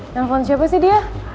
telepon siapa sih dia